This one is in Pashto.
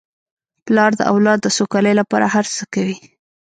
پلار د اولاد د سوکالۍ لپاره هر څه کوي.